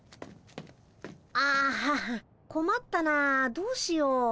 あこまったなあどうしよう？